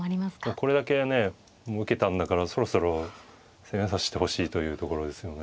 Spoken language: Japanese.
これだけね受けたんだからそろそろ攻めさせてほしいというところですよね。